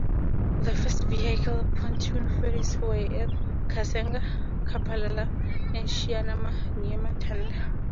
The first vehicle pontoon ferries were at Kasenga, Kapalala and Shiniama near Matanda.